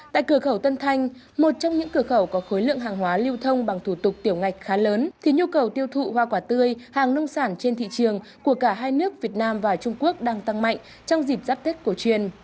tại cửa khẩu tân thanh một trong những cửa khẩu có khối lượng hàng hóa lưu thông bằng thủ tục tiểu ngạch khá lớn thì nhu cầu tiêu thụ hoa quả tươi hàng nông sản trên thị trường của cả hai nước việt nam và trung quốc đang tăng mạnh trong dịp giáp tết cổ truyền